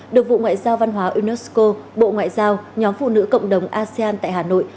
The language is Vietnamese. được vụ ngoại giao văn hóa unesco bộ ngoại giao nhóm phụ nữ cộng đồng asean tại hà nội